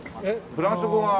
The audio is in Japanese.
フランス語は。